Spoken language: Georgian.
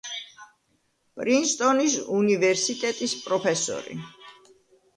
პრინსტონის უნივერსიტეტის პროფესორი.